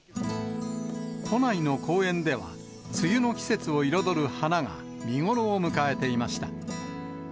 都内の公園では、梅雨の季節を彩る花が見頃を迎えていました。